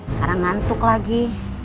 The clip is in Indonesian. sekarang ngantuk lagi